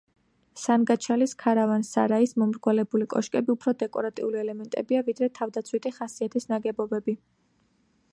სანგაჩალის ქარავან-სარაის მომრგვალებული კოშკები უფრო დეკორატიული ელემენტებია ვიდრე თავდაცვითი ხასიათის ნაგებობები.